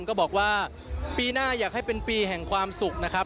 ก็บอกว่าปีหน้าอยากให้เป็นปีแห่งความสุขนะครับ